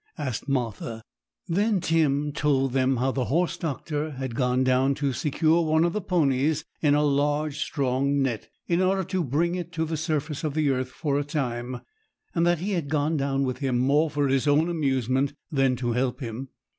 asked Martha. Then Tim told them how the horse doctor had gone down to secure one of the ponies in a large, strong net, in order to bring it to the surface of the earth for a time; and that he had gone down with him more for his own amusement than to help him.